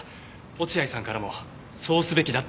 落合さんからもそうすべきだって言われてます。